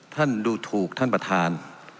ท่านดูถูกท่านประธาน